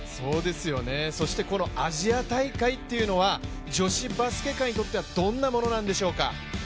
そしてこのアジア大会っていうのは女子バスケ界にとってはどんなものなのでしょうか？